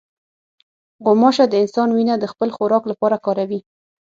غوماشه د انسان وینه د خپل خوراک لپاره کاروي.